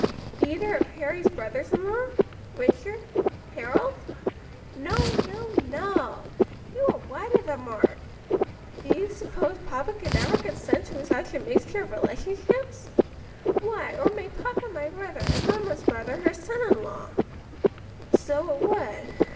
"Either of Harry's brothers in law? Richard? Harold?" "No, no, no; you are wide of the mark! Could you suppose papa would ever consent to such a mixture of relationships? Why, it would make papa my brother and mamma's brother her son in law." "So it would.